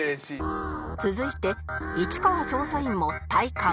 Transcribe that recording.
続いて市川調査員も体感